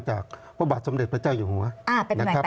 จากพระบาทสำเร็จพระเจ้าอยู่หัว